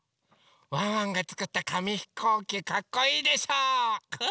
ワンワンがつくったかみひこうきかっこいいでしょう？